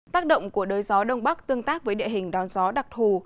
tác động của đới gió đông bắc tương tác với địa hình đón gió đặc thù